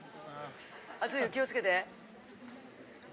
熱いよ気を付けて。